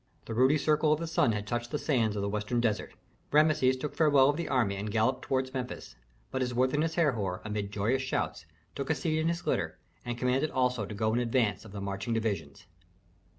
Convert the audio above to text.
The ruddy circle of the sun had touched the sands of the western desert. Rameses took farewell of the army and galloped towards Memphis; but his worthiness Herhor, amid joyous shouts, took a seat in his litter and commanded also to go in advance of the marching divisions.